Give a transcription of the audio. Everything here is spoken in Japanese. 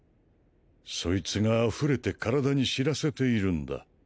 そいつが溢れて体に知らせているんだ。